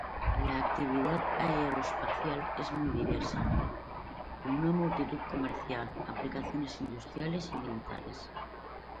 La actividad aeroespacial es muy diversa, con una multitud comercial, aplicaciones industriales y militares.